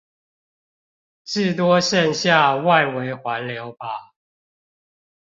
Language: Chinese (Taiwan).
至多剩下外圍環流吧